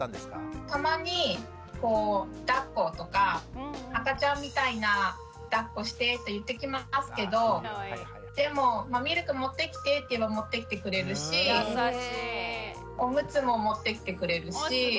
たまに「だっこ」とか赤ちゃんみたいな「だっこして」って言ってきますけどでも「ミルク持ってきて」って言えば持ってきてくれるしおむつも持ってきてくれるし。